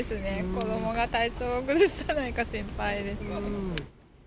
子どもが体調崩さないか心配です。